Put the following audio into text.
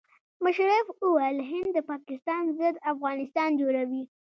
مشرف وویل هند د پاکستان ضد افغانستان جوړوي.